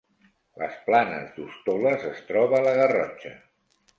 Les Planes d’Hostoles es troba a la Garrotxa